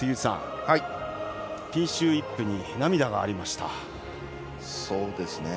ピンシュー・イップに涙がありました。